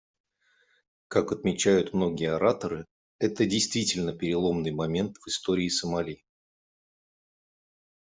Как отмечают многие ораторы, это действительно переломный момент в истории Сомали.